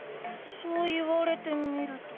そう言われてみると。